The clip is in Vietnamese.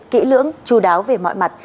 kỹ lưỡng chú đáo về mọi mặt